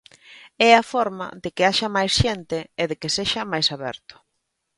É a forma de que haxa máis xente e de que sexa máis aberto.